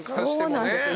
そうなんです。